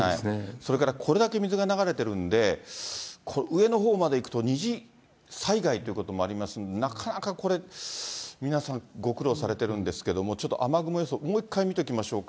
それからこれだけ水が流れてるんで、上のほうまで行くと二次災害ということもありますんで、なかなかこれ、皆さん、ご苦労されてるんですけれども、ちょっと雨雲予想、もう一回見ときましょうか。